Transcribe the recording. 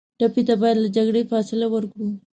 ټپي ته باید له جګړې فاصله ورکړو.